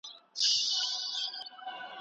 یوازې ځان مه وینئ.